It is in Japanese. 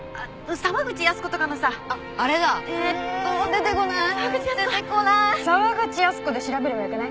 「沢口靖子」で調べればよくない？